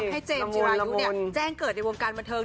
เจมส์จีรายุแจ้งเกิดในวงการบันเทิง